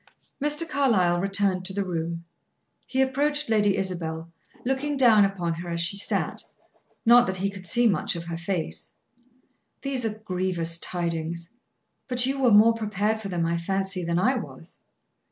Mr. Carlyle returned to the room. He approached Lady Isabel, looking down upon her as she sat; not that he could see much of her face. "These are grievous tidings. But you were more prepared for them, I fancy, than I was."